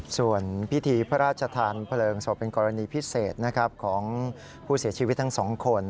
ส่วนพิธีพระราชธานพลเริงส่วนเป็นกรณีพิเศษของผู้เสียชีวิตทั้ง๒คน